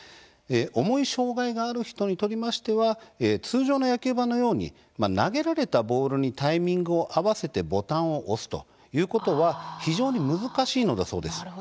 重い障害がある人にとっては通常の野球盤のように投げられたボールにタイミングを合わせてボタンを押すということは非常に難しいんだそうです。